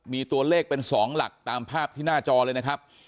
มีตัวเลขเป็น๒หลักตามภาพที่หน้าจอเลยนะครับ